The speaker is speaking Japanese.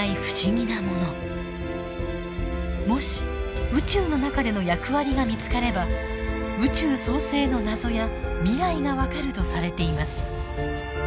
もし宇宙の中での役割が見つかれば宇宙創生の謎や未来が分かるとされています。